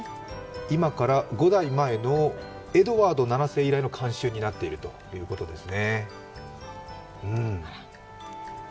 今から５代前のエドワード７世以来の慣習になっているということですね。